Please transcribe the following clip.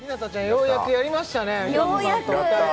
ようやくやりました